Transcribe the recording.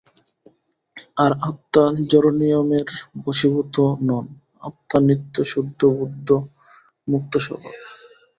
আর আত্মা জড়নিয়মের বশীভূত নন, আত্মা নিত্য-শুদ্ধ-বুদ্ধ-মুক্ত-স্বভাব।